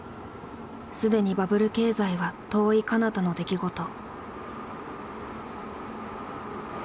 既にバブル経済は遠いかなたの出来事。